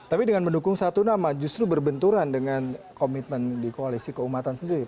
tapi dengan mendukung satu nama justru berbenturan dengan komitmen di koalisi keumatan sendiri